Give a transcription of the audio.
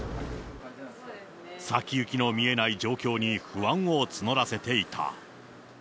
先行きの見えない状況に、不安を募らせていた。